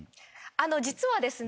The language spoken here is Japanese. あの実はですね